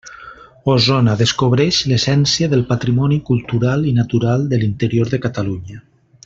Osona, descobreix l'essència del patrimoni cultural i natural de l'interior de Catalunya.